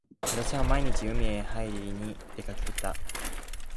私は毎日海へはいりに出掛けた。